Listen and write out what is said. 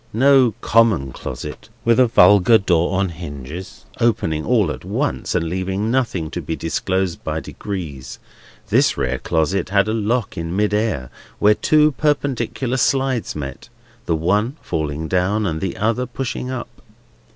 No common closet with a vulgar door on hinges, openable all at once, and leaving nothing to be disclosed by degrees, this rare closet had a lock in mid air, where two perpendicular slides met; the one falling down, and the other pushing up.